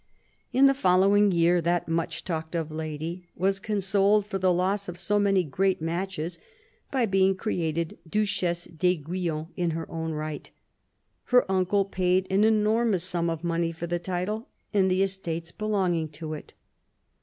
In the following year that much talked of lady was consoled for the loss of so many great matches by being created Duchesse d'Aiguillon in her own right. Her uncle paid an enormous sum of money for the title and the estates belonging to it.